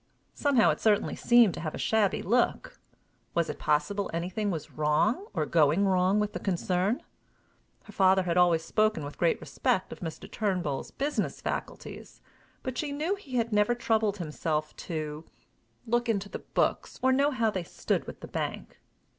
Somehow it certainly seemed to have a shabby look! Was it possible anything was wrong or going wrong with the concern? Her father had always spoken with great respect of Mr. Turnbull's business faculties, but she knew he had never troubled himself to, look into the books or know how they stood with the bank.